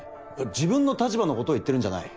自分の立場のことを言ってるんじゃない。